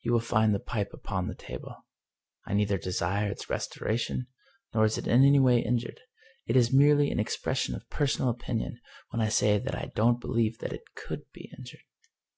You will find the pipe upon the table. I neither desire its restoration nor is it in any way injured. It is merely an expression of personal opinion when I say that I don't believe that it could be injured.